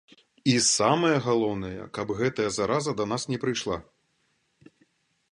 І самае галоўнае, каб гэтая зараза да нас не прыйшла.